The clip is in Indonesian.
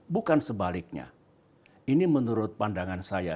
bukan sebaliknya ini menurut pandangan saya